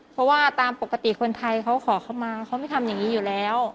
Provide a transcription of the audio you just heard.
เพราะว่าตามปกติคนไทยเขาขอเข้ามาเขาไม่ทำอย่างนี้อยู่แล้ว